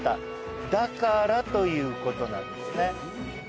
だからということなんですね。